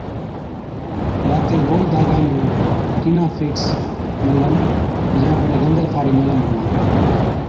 راتي گول داگا نُون ٽِينافيڪس Tineafax Ointemet ملم يان بڙي گندرفا هاڙِي ملم هڻا۔